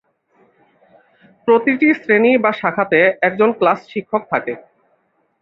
প্রতিটি শ্রেণী/শাখাতে একজন ক্লাস শিক্ষক থাকে।